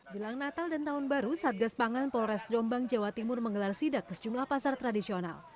jelang natal dan tahun baru satgas pangan polres jombang jawa timur menggelar sidak ke sejumlah pasar tradisional